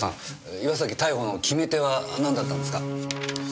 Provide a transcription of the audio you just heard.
岩崎逮捕の決め手は何だったんですか？